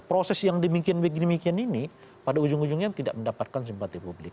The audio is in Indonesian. proses yang demikian begini ini pada ujung ujungnya tidak mendapatkan simpati publik